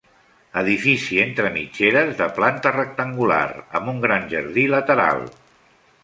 Edifici entre mitgeres de planta rectangular, amb un gran jardí lateral.